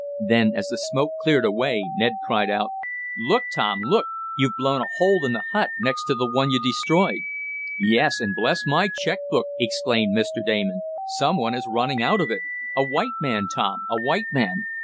Then as the smoke cleared away Ned cried out: "Look, Tom! Look! You've blown a hole in the hut next to the one you destroyed!" "Yes, and bless my check book!" exclaimed Mr. Damon, "some one is running out of it. A white man, Tom! A white man!"